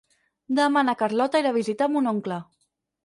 Demà na Carlota irà a visitar mon oncle.